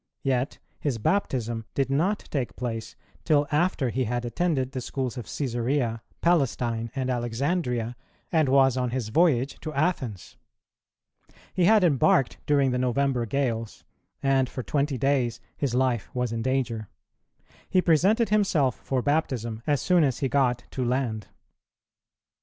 Yet his baptism did not take place till after he had attended the schools of Cæsarea, Palestine, and Alexandria, and was on his voyage to Athens. He had embarked during the November gales, and for twenty days his life was in danger. He presented himself for baptism as soon as he got to land.